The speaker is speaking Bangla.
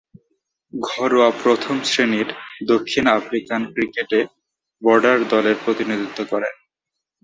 ঘরোয়া প্রথম-শ্রেণীর দক্ষিণ আফ্রিকান ক্রিকেটে বর্ডার দলের প্রতিনিধিত্ব করেন।